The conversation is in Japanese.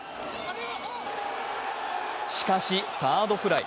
しかしサードフライ。